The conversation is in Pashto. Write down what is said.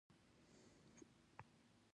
اکسیپیټل برخه د لید مرکز ګڼل کیږي